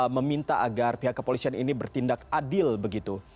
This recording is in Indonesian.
meminta agar pihak kepolisian ini bertindak adil begitu